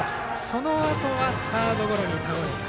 そのあとはサードゴロに倒れた。